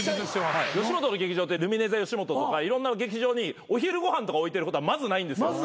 吉本の劇場ってルミネｔｈｅよしもととかいろんな劇場にお昼ご飯とか置いてることはまずないんですよ。